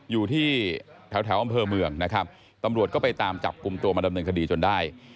อยู่ที่แถวอำเภอเมืองนะครับตำรวจก็ไปตามจับกลุ่มตัวมาดำเนินคดีจนได้